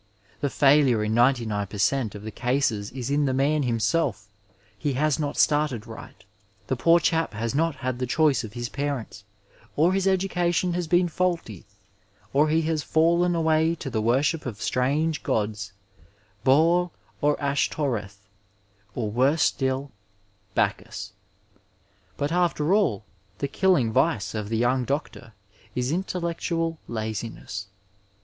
The failure in 99 per cent, of the cases is in the man himself ; he has not started right, the poor chap has not had the choice of his parents, or his education has been faulty, or he has fallen away to the worship of strange gods, Baal or Ashtoreth, or worse still, Bacchus. But after all the killing vice of the young doctor is intellectual laziness.